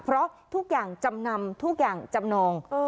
เพราะทุกอย่างจำนำทุกอย่างจำนอง